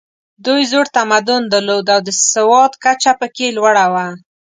دوی زوړ تمدن درلود او د سواد کچه پکې لوړه وه.